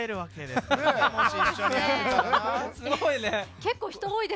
すごいね。